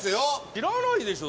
知らないでしょ？